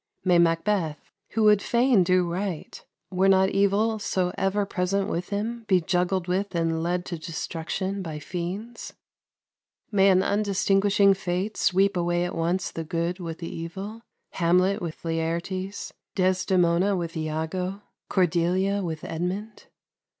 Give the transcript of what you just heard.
May Macbeth, who would fain do right, were not evil so ever present with him, be juggled with and led to destruction by fiends? May an undistinguishing fate sweep away at once the good with the evil Hamlet with Laertes; Desdemona with Iago; Cordelia with Edmund?